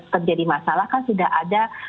terjadi masalah kan sudah ada